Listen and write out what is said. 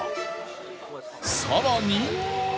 更に